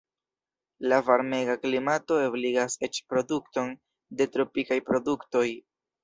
La varmega klimato ebligas eĉ produkton de tropikaj produktoj.